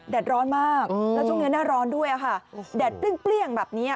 แดดร้อนมากแล้วทุกวันนี้หน้าร้อนด้วยค่ะโอ้โหแดดพลิ้งแบบเนี้ย